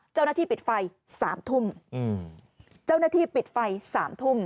เจ้าหน้าที่ปิดไฟ๓ทุ่ม